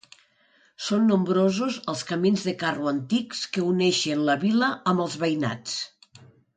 Són nombrosos els camins de carro antics que uneixen la vila amb els veïnats.